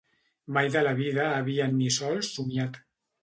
Mai de la vida havien ni sols somniat